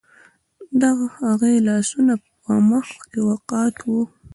د هغې لاسونه په مخ کې قات وو